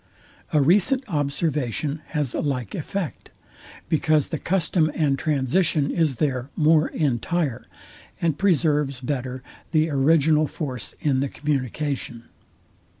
A recent observation has a like effect; because the custom and transition is there more entire, and preserves better the original force in the communication.